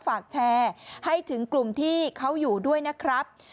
ฝากแชร์ให้ถึงกลุ่มที่เขาอยู่ด้วยนะครับ